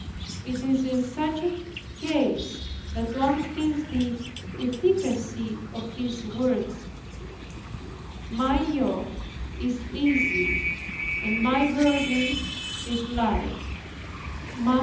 It is in such a case that one feels the efficacy of these words, "My yoke is easy, and my burden is light" (Matt.